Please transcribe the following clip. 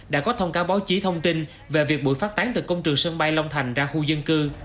đã có thông cáo báo chí thông tin về việc bụi phát tán từ công trường sân bay long thành ra khu dân cư